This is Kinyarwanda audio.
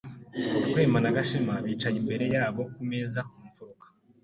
Rwema na Gashema bicaye imbere yabo ku meza mu mfuruka.